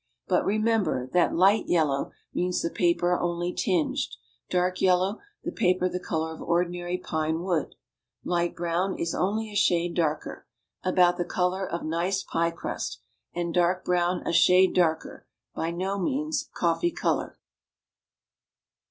But remember that "light yellow" means the paper only tinged; "dark yellow," the paper the color of ordinary pine wood; "light brown" is only a shade darker, about the color of nice pie crust, and dark brown a shade darker, by no means coffee color.